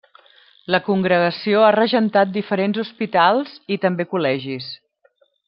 La Congregació ha regentat diferents hospitals i també col·legis.